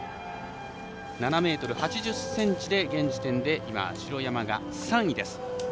７ｍ８０ｃｍで現時点で城山は３位です。